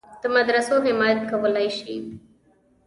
د مدرسو حمایت کولای شي.